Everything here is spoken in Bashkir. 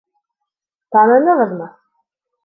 Танынығыҙмы?